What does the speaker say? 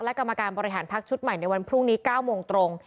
และกรรมการบริหารพักชุดใหม่ในวันพรุ่งนี้๙โมงตรง